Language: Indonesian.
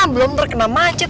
belum terkena macet